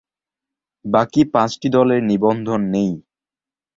বাকি পাঁচটি দলের নিবন্ধন নেই।